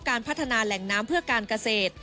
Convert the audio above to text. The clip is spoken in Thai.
การพัฒนาแหล่งน้ำเพื่อการเกษตร